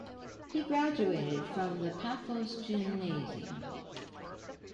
He graduated from the Paphos Gymnasium.